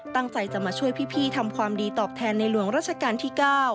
ตั้งใจจะมาช่วยพี่ทำความดีตอบแทนในหลวงราชการที่๙